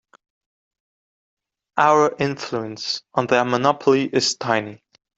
Our influence on their monopoly is tiny.